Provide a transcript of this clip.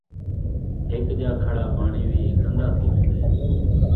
ہک جاہ کھڑا پاݨی وی گن٘دا تھی وین٘دے